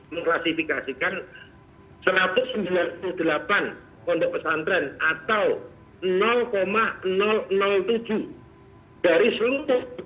mengklasifikasikan satu ratus sembilan puluh delapan pondok pesantren atau tujuh dari seluruh pondok pesantren yang tercatat di bandar gondong